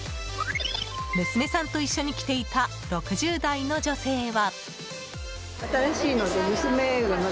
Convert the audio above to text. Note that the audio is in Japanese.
娘さんと一緒に来ていた６０代の女性は。